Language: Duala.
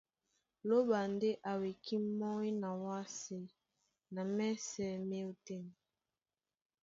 Lóɓa ndé a wekí mɔ́ny na wásē na mɛ́sɛ̄ má e ótên.